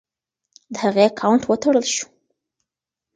د هغې اکاونټ وتړل شو.